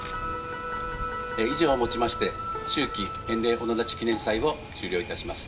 以上をもちまして、秋季塩嶺御野立記念祭を終了いたします。